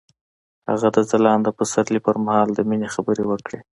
هغه د ځلانده پسرلی پر مهال د مینې خبرې وکړې.